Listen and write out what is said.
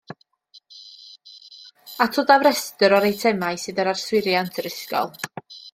Atodaf restr o'r eitemau sydd ar yswiriant yr ysgol